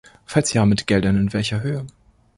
Falls ja, mit Geldern in welcher Höhe?